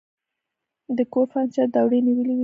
د کور فرنيچر دوړې نیولې وې.